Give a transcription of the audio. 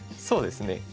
そうですね。